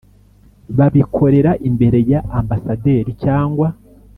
babikorera imbere ya Ambasaderi cyangwa